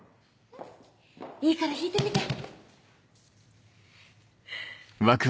いいから弾いてみて。